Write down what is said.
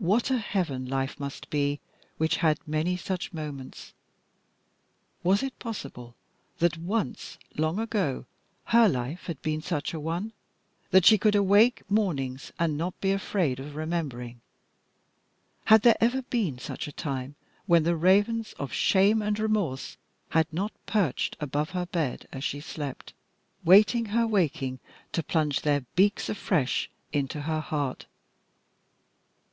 What a heaven a life must be which had many such moments! Was it possible that once, long ago, her life had been such an one that she could awake mornings and not be afraid of remembering? Had there ever been a time when the ravens of shame and remorse had not perched above her bed as she slept, waiting her waking to plunge their beaks afresh into her heart?